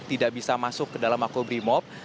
tidak bisa masuk ke dalam mako berimob